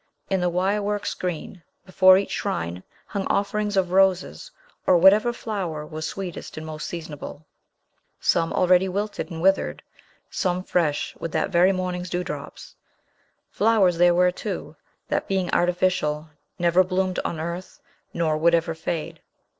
In the wire work screen 'before each shrine hung offerings of roses, or whatever flower was sweetest and most seasonable; some already wilted and withered, some fresh with that very morning's dewdrops. Flowers there were, too, that, being artificial, never bloomed on earth, nor would ever fade.